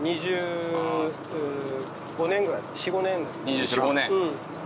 ２４２５年。